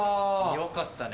良かったね。